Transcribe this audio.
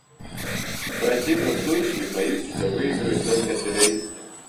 В противном случае боюсь, что выиграют только террористы.